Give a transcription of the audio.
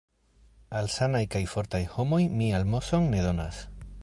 Al sanaj kaj fortaj homoj mi almozon ne donas.